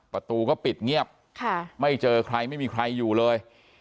ประตูก็ปิดเงียบไม่เจอใครไม่มีใครอยู่เลย